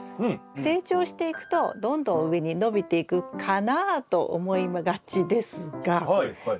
成長していくとどんどん上に伸びていくかなと思いがちですがうんうん。